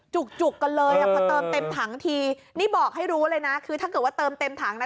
จุกกันเลยอ่ะพอเติมเต็มถังทีนี่บอกให้รู้เลยนะคือถ้าเกิดว่าเติมเต็มถังนะ